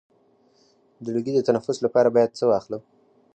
د لوګي د تنفس لپاره باید څه واخلم؟